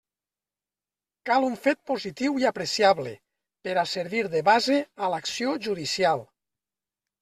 Cal un fet positiu i apreciable per a servir de base a l'acció judicial.